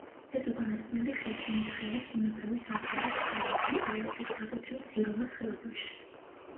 ეს უკანასკნელი ხეფინისხევის ბუნებრივი საზღვარი ჩრდილო-აღმოსავლეთით, საკუთრივ ძირულას ხეობაში.